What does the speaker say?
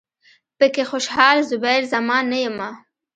پکې خوشال، زبیر زمان نه یمه